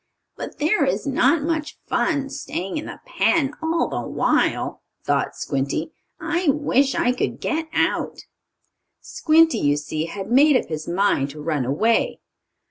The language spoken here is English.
"But there is not much fun staying in the pen all the while," thought Squinty. "I wish I could get out." Squinty, you see, had made up his mind to run away.